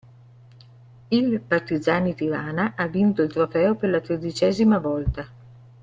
Il Partizani Tirana ha vinto il trofeo per la tredicesima volta.